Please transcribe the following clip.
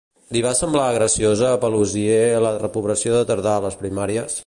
Li va semblar graciosa a Paluzi la reprovació de Tardà a les primàries?